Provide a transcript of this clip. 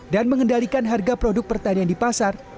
dan mengendalikan harga produk pertanian di pasar